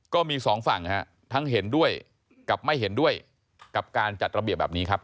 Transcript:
ก็มีสองฝั่งฮะทั้งเห็นด้วยกับไม่เห็นด้วยกับการจัดระเบียบแบบนี้ครับ